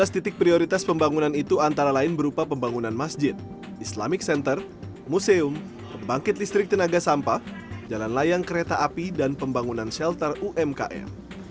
tiga belas titik prioritas pembangunan itu antara lain berupa pembangunan masjid islamic center museum pembangkit listrik tenaga sampah jalan layang kereta api dan pembangunan shelter umkm